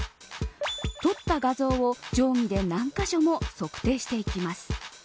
撮った画像を定規で何カ所も測定していきます。